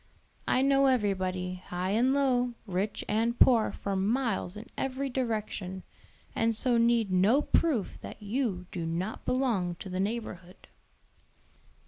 I know everybody, high and low, rich and poor, for miles in every direction, and so need no proof that you do not belong to the neighborhood."